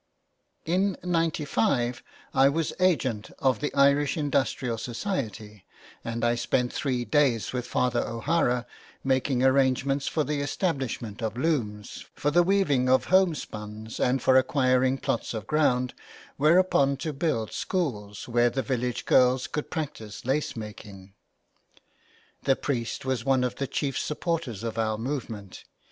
In '95 I was agent of the Irish Industrial Society and I spent three days with Father O'Hara making arrangements for the establishment of looms, for the weaving of home spuns and for acquiring plots of ground whereon to build schools where the village, girls could practice lace making. The priest was one of the chief supporters of our movement.